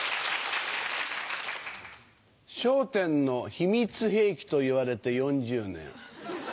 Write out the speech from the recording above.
笑点の秘密兵器といわれて４０年。